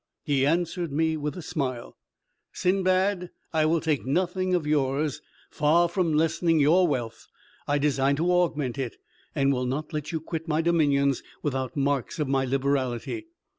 He answered me with a smile, "Sindbad, I will take nothing of yours; far from lessening your wealth, I design to augment it, and will not let you quit my dominions without marks of my liberality."